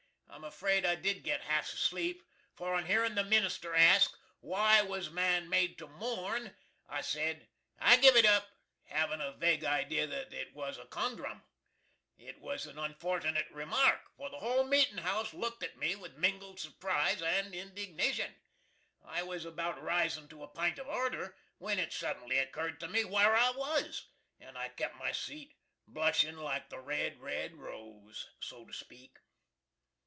I'm 'fraid I did git half asleep, for on hearin the minister ask, "Why was man made to mourn?" I sed, "I giv it up," havin a vague idee that it was a condrum. It was a onfortnit remark, for the whole meetin house lookt at me with mingled surprise and indignation. I was about risin to a pint of order, when it suddenly occurd to me whare I was, and I kept my seat, blushin like the red, red rose so to speak.